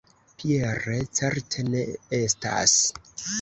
Pierre certe ne estas.